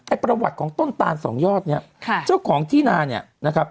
ประวัติของต้นตานสองยอดเนี่ยค่ะเจ้าของที่นาเนี่ยนะครับ